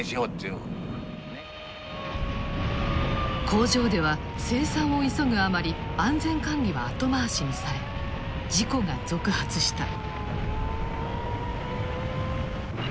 工場では生産を急ぐあまり安全管理は後回しにされ事故が続発した。